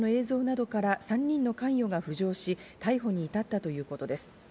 周辺の防犯カメラの映像などから３人の関与が浮上し、逮捕に至ったということです。